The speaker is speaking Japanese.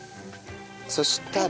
そしたら？